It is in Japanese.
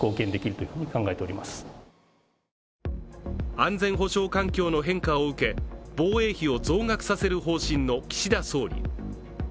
安全保障環境の変化を受け防衛費を増額させる方針の岸田総理。